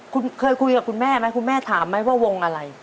คุณเคยคุยกับคุณแม่ไหมคุณแม่ถามไหมว่าวงอะไร